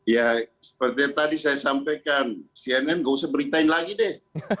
ya seperti yang tadi saya sampaikan cnn gak usah beritain lagi deh